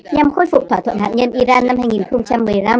nhằm khôi phục thỏa thuận hạt nhân iran năm hai nghìn một mươi năm